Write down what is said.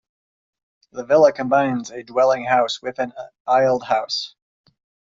The villa combines a dwelling house with an aisled house.